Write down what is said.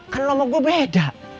kan lo sama gue beda